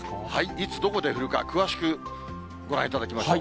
いつ、どこで降るか、詳しくご覧いただきましょう。